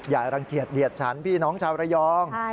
อย่ารังเกียจเดียดฉันพี่น้องชาวระยอง